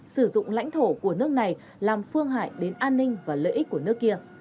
sử dụng lãnh thổ của nước này làm phương hại đến an ninh và lợi ích của nước kia